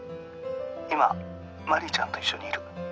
「今真理ちゃんと一緒にいる」